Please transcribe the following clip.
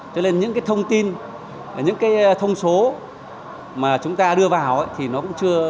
cho nên những cái thông tin những cái thông số mà chúng ta đưa vào thì nó cũng chưa